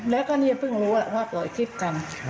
แล้วก็เนี่ยเพิ่งรู้ว่าปล่อยคลิปกัน